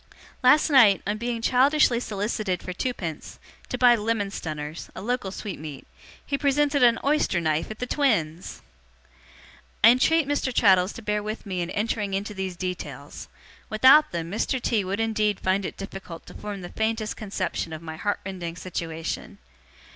Last night, on being childishly solicited for twopence, to buy 'lemon stunners' a local sweetmeat he presented an oyster knife at the twins! 'I entreat Mr. Traddles to bear with me in entering into these details. Without them, Mr. T. would indeed find it difficult to form the faintest conception of my heart rending situation.